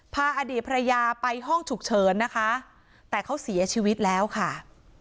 อดีตภรรยาไปห้องฉุกเฉินนะคะแต่เขาเสียชีวิตแล้วค่ะ